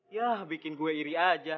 ya bikin gue iri aja